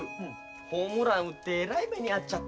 ホームランうってえらい目にあっちゃった。